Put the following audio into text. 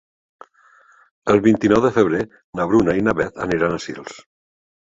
El vint-i-nou de febrer na Bruna i na Beth aniran a Sils.